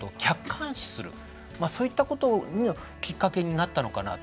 そういったことのきっかけになったのかなと。